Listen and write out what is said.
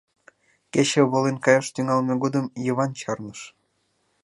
Кече волен каяш тӱҥалме годым Йыван чарныш.